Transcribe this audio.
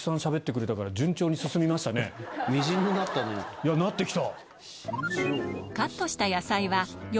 いやなってきた！